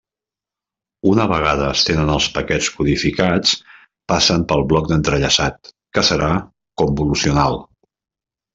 Una vegada es tenen els paquets codificats passen pel bloc d'entrellaçat, que serà convolucional.